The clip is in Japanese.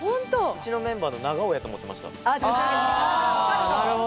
うちのメンバーの長尾やと思ってました。